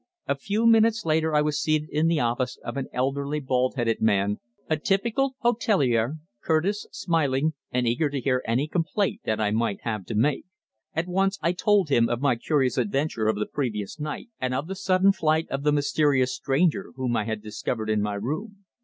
A few minutes later I was seated in the office of an elderly bald headed man, a typical hôtelier, courteous, smiling, and eager to hear any complaint that I might have to make. At once I told him of my curious adventure of the previous night, and of the sudden flight of the mysterious stranger whom I had discovered in my room.